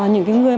những cái người